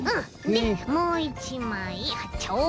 でもういちまいはっちゃおう。